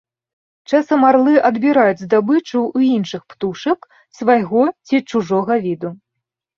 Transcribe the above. Часам арлы адбіраюць здабычу ў іншых птушак, свайго ці чужога віду.